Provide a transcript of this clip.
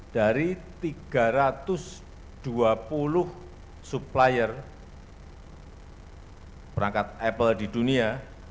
dari tiga ratus dua puluh supplier perangkat apple di dunia